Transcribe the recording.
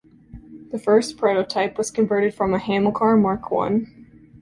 The first prototype was converted from a Hamilcar Mark One.